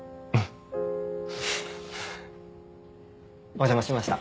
お邪魔しました。